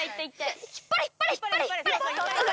引っ張れ、引っ張れ、引っ張れ。